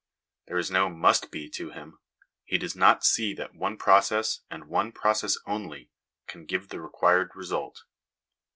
There is no must be to him ; he does not see that one process, and one process only, can give the required result.